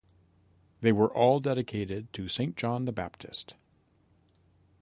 They were all dedicated to Saint John the Baptist.